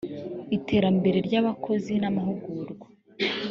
iterambere ry abakozi n amahugurwa